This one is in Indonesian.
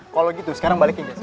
kalau gitu sekarang balikin jas ini